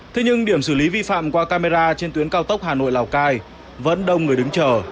thế nhưng điểm xử lý vi phạm qua camera trên tuyến cao tốc hà nội lào cai vẫn đông người đứng chờ